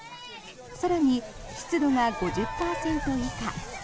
更に、湿度が５０％以下。